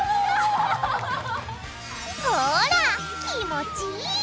ほら気持ちいい！